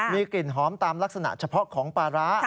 มีกลิ่นหอมตามลักษณะเฉพาะของปลาร้า